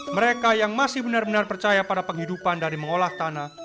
mereka yang masih benar benar percaya pada penghidupan dari mengolah tanah